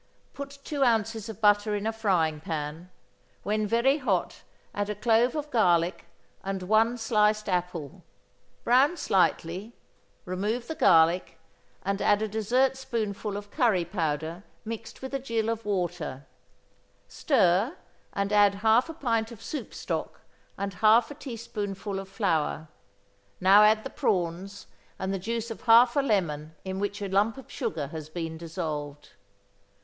Put two ounces of butter in a frying pan; when very hot add a clove of garlic and one sliced apple; brown slightly, remove the garlic, and add a dessertspoonful of curry powder mixed with a gill of water; stir, and add half a pint of soup stock and half a teaspoonful of flour; now add the prawns, and the juice of half a lemon in which a lump of sugar has been dissolved.